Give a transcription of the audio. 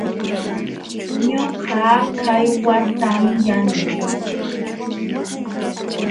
Ñuqa kaywatam yanuu.